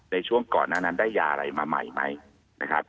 ในช่วงก่อนนั้นนั้นได้ยาอะไรมาใหม่ไหม